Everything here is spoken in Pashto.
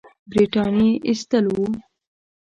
برټانیې ایستل وو.